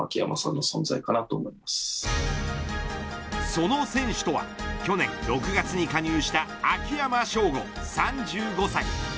その選手とは去年６月に加入した秋山翔吾３５歳。